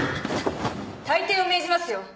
退廷を命じますよ。